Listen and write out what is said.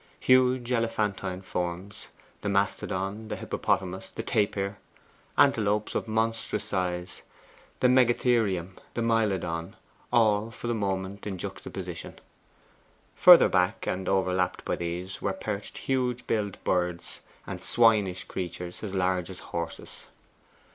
Huge elephantine forms, the mastodon, the hippopotamus, the tapir, antelopes of monstrous size, the megatherium, and the myledon all, for the moment, in juxtaposition. Further back, and overlapped by these, were perched huge billed birds and swinish creatures as large as horses.